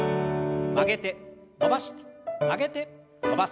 曲げて伸ばして曲げて伸ばす。